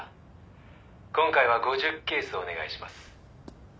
「今回は５０ケースお願いします」